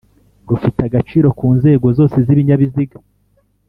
rufite agaciro ku nzego zose z'ibinyabiziga.